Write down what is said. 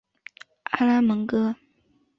阿拉门戈。